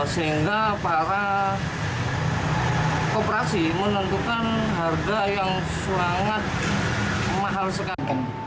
sehingga para kooperasi menentukan harga yang sangat mahal sekarang